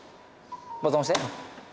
ボタン押して。